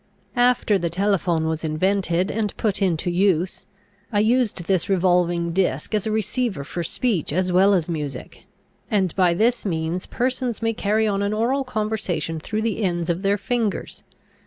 After the telephone was invented and put into use I used this revolving disk as a receiver for speech as well as music, and by this means persons may carry on an oral conversation through the ends of their fingers.